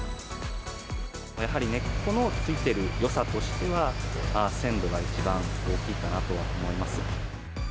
やはり根っこの付いてるよさとしては、鮮度が一番大きいかなとは思います。